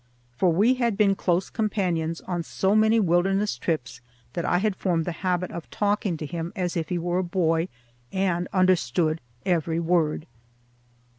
For we had been close companions on so many wilderness trips that I had formed the habit of talking to him as if he were a boy and understood every word.